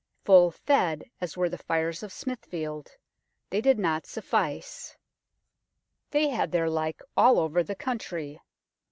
Full fed as were the fires of Smithfield, they did not suffice ; they had their like all over the i86 UNKNOWN LONDON country.